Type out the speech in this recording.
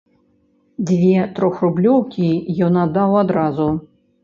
Дзве трохрублёўкі ён аддаў адразу.